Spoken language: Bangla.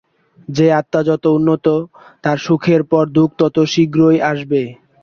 যে আত্মা যত উন্নত, তার সুখের পর দুঃখ তত শীঘ্র আসবে।